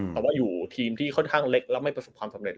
แต่ว่าอยู่ทีมที่ค่อนข้างเล็กแล้วไม่ประสบความสำเร็